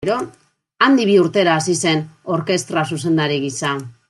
Handik bi urtera hasi zen orkestra-zuzendari gisa.